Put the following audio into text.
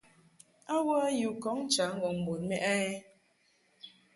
A wə yi u kɔŋ ncha ŋgɔŋ bun mɛʼ a?